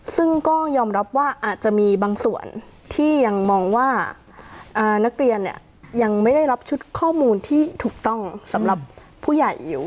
ซึ่งก็ยอมรับว่าอาจจะมีบางส่วนที่ยังมองว่านักเรียนเนี่ยยังไม่ได้รับชุดข้อมูลที่ถูกต้องสำหรับผู้ใหญ่อยู่